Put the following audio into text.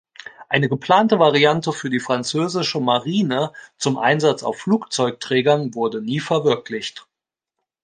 Eine geplante Variante für die französische Marine zum Einsatz auf Flugzeugträgern wurde nie verwirklicht.